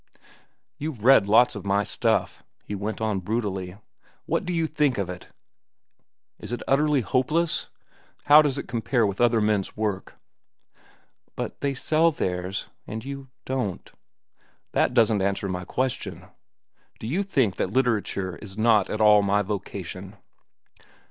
"You've read lots of my stuff," he went on brutally. "What do you think of it? Is it utterly hopeless? How does it compare with other men's work?" "But they sell theirs, and you—don't." "That doesn't answer my question. Do you think that literature is not at all my vocation?"